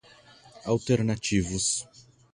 alternativos